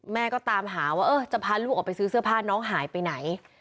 แม่ก็ตามหาว่าเออจะพาลูกออกไปซื้อเสื้อผ้าน้องหายไปไหน